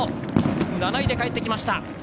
７位で帰ってきました。